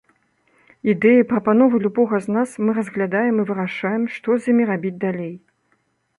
Ідэі, прапановы любога з нас мы разглядаем і вырашаем, што з імі рабіць далей.